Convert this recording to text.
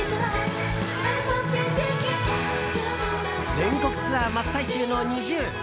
全国ツアー真っ最中のＮｉｚｉＵ。